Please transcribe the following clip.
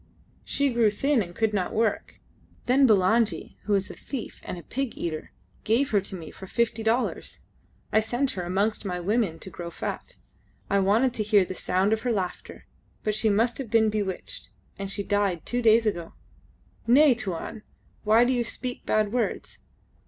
"She grew thin and could not work. Then Bulangi, who is a thief and a pig eater, gave her to me for fifty dollars. I sent her amongst my women to grow fat. I wanted to hear the sound of her laughter, but she must have been bewitched, and ... she died two days ago. Nay, Tuan. Why do you speak bad words?